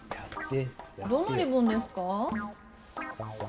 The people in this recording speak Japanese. どのリボンですか？